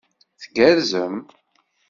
Tgerrzem?